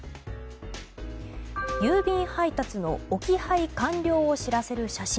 郵便配達の置き配完了を知らせる写真